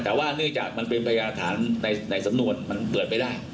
แต่ว่าเนื่องจากมันเป็นพยาฐานในสำนวนมันเปิดไม่ได้